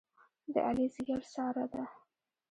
د علي ځېګر ساره ده.